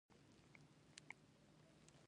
توبه کاکړۍ یوه غرنۍ سیمه ده